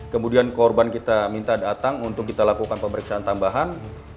kemudian korban kita minta datang untuk kita lakukan pemeriksaan tambahan